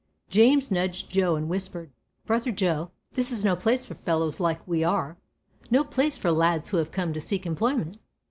James nudged Joe and whispered: "Brother Joe, this is no place for fellows like we are. No place for lads who have come to seek employment.